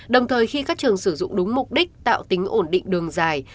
đồng thời khi các trường sử dụng đúng mục đích tạo tính ổn định đường dài